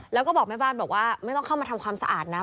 แล้วก็บอกแม่บ้านบอกว่าไม่ต้องเข้ามาทำความสะอาดนะ